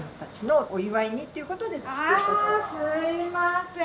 あぁすいません。